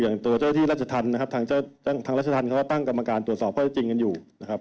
อย่างตัวเจ้าหน้าที่รัชทันนะครับทางรัชทันเขาตั้งกรรมการตรวจสอบเพราะจริงกันอยู่นะครับ